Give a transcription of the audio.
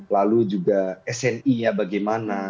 lalu juga sni nya bagaimana